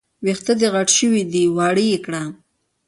وېښته دې غټ شوي دي، واړه يې کړه